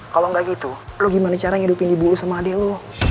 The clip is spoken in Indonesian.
kalau gak gitu lo gimana cara ngedupin ibu lo sama adik lo